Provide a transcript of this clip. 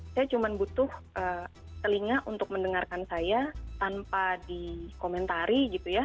saya cuma butuh telinga untuk mendengarkan saya tanpa dikomentari